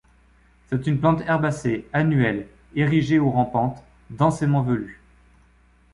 C'est une plante herbacée annuelle, érigée ou rampante, densément velue.